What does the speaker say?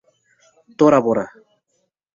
Tora Bora.